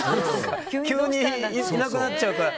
急にいなくなっちゃうから。